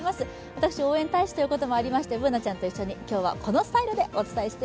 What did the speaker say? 私、応援大使ということもありまして、Ｂｏｏｎａちゃんと一緒に今日はこのスタイルでお伝えします。